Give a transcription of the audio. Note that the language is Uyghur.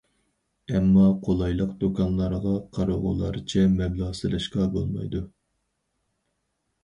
ئەمما قولايلىق دۇكانلارغا قارىغۇلارچە مەبلەغ سېلىشقا بولمايدۇ.